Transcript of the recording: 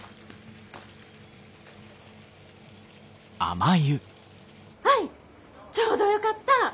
アイちょうどよかった。